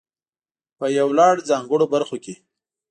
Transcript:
په يو لړ ځانګړو برخو کې.